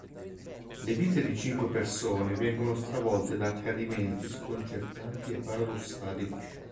Le vite di cinque persone vengono stravolte da accadimenti sconcertanti e paradossali.